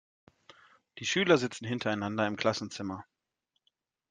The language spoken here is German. Die Schüler sitzen hintereinander im Klassenzimmer.